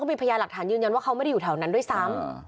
มีพยานหลักฐานยืนยันว่าเขาไม่ได้อยู่แถวนั้นด้วยซ้ำ